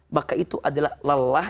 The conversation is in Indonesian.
maka itu adalah lalah